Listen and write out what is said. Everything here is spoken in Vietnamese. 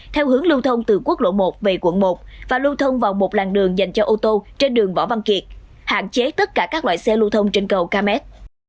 theo hướng lưu thông từ quốc lộ một về quận một và lưu thông vào một làng đường dành cho ô tô trên đường võ văn kiệt hạn chế tất cả các loại xe lưu thông trên cầu km